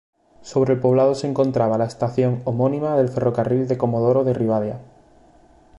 Sobre el poblado se encontraba la estación homónima del Ferrocarril de Comodoro Rivadavia.